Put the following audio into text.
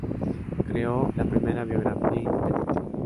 Creó la primera biografía independiente.